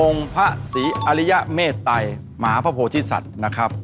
องค์พระศรีอริยะเมตัยหมาพพพโภทิสัตย์นะครับ